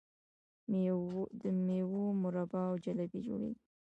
د میوو مربا او جیلی جوړیږي.